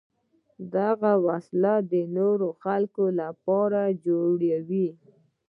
دغه وسلې د نورو خلکو لپاره جوړوي.